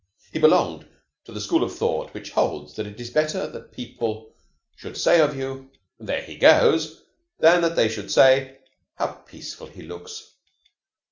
He belonged to the school of thought which holds that it is better that people should say of you, "There he goes!" than that they should say, "How peaceful he looks".